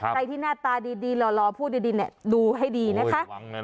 ใครที่หน้าตาดีหล่อพูดดีดูให้ดีนะคะ